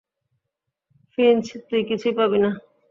Finch, তুই কিছুই পাবি না।